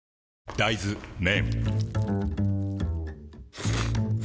大豆麺